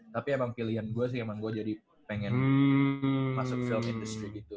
tapi emang pilihan gue sih emang gue jadi pengen masuk film itu gitu